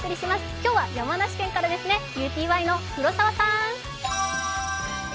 今日は山梨県からですね、ＵＴＹの黒澤さーん。